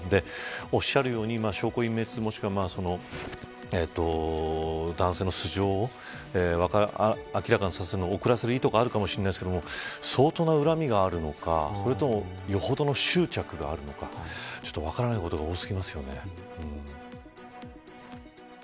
おっしゃるように証拠隠滅、もしくは男性の素性を明らかにさせるのを遅らせる意図があるかもしれませんが相当な恨みがあるのかそれともよほどの執着があるのかちょっと分からないことが多すぎますよね。